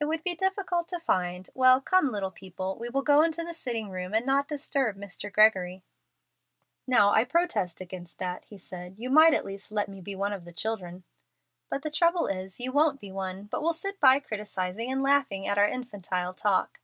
"It would be difficult to find. Well, come, little people, we will go into the sitting room and not disturb Mr. Gregory." "Now, I protest against that," he said. "You might at least let me be one of the children." "But the trouble is, you won't be one, but will sit by criticising and laughing at our infantile talk."